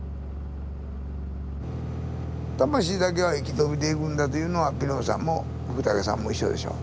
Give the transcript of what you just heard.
魂だけは生き延びていくんだというのはピノーさんも福武さんも一緒でしょ。